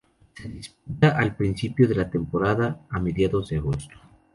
Se disputa al principio de la temporada, a mediados de agosto.